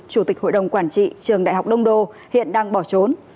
chủ tịch hội đồng quản trị trường đại học đông đô hiện đang bỏ trốn